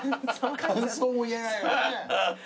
感想も言えないよね。